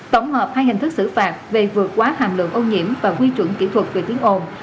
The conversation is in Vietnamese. tổng hợp hai hình thức xử phạt về vượt quá hàm lượng ô nhiễm và quy chuẩn kỹ thuật về tiếng ồn